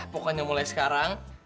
pokoknya mulai sekarang